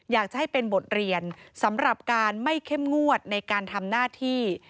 อยากจะให้เป็นบทเรียนสำหรับการไม่เข้มงวดในการทำหน้าที่